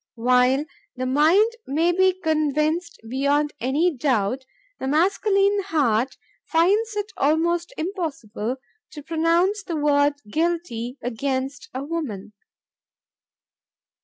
While the mind may be convinced beyond any doubt, the masculine heart finds it almost impossible to pronounce the word 'guilty' against a woman."